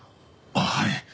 はい。